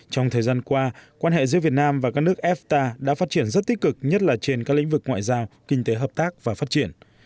trong thời gian qua quan hệ giữa việt nam và các nước fta đã phát triển rất tích cực nhất là trên các lĩnh vực ngoại giao kinh tế hợp tác và phát triển